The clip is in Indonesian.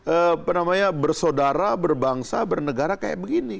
apa namanya bersaudara berbangsa bernegara kayak begini